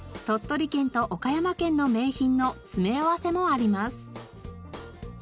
鳥取県と岡山県の名品の詰め合わせもあります。